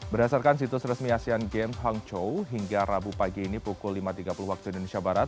berdasarkan situs resmi asean games hangzhou hingga rabu pagi ini pukul lima tiga puluh waktu indonesia barat